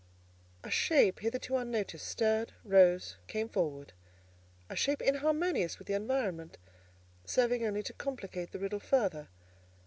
A shape hitherto unnoticed, stirred, rose, came forward: a shape inharmonious with the environment, serving only to complicate the riddle further.